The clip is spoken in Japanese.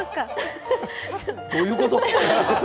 どういうこと？